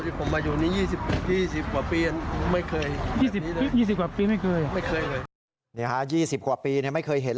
๒๐ปีกว่าปีไม่เคยไม่เคยเลยนะคะ๒๐ปีกว่าปีไม่เคยเห็น